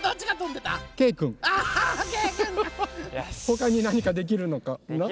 ほかになにかできるのかな？